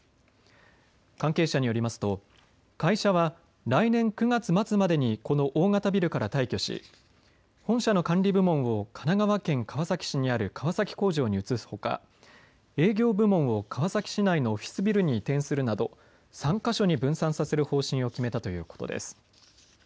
関係者によりますと会社は来年９月末までにこの大型ビルから退去し本社の管理部門を神奈川県川崎市にある川崎工場に移すほか、営業部門を川崎市内のオフィスビルに移転するなど３か所に分散させる方針を決めたということです。